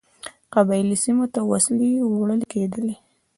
قبایلي سیمو ته وسلې وړلې کېدلې.